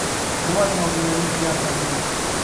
د وزن او پیمانې خیال ساتئ.